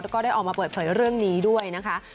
แล้วก็ได้ออกมาเปิดเผยเรื่องนี้ด้วยนะคะ